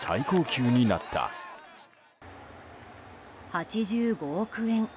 ８５億円。